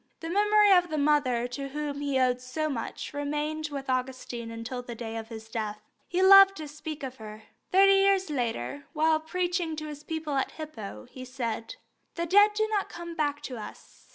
The memory of the mother to whom he owed so much remained with Augustine until the day of his death. He loved to speak of her. Thirty years later, while preaching to his people at Hippo, he said: "The dead do not come back to us.